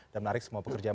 dan menarik semua pekerjaan